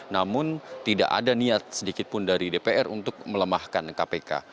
namun tidak ada niat sedikitpun dari dpr untuk melemahkan kpk